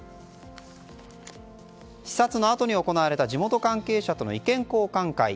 視察のあとに行われた地元関係者との意見交換会。